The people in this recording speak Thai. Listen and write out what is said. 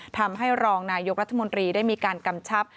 ทำให้รองนายกรัฐมนตรีได้มีการกำชับ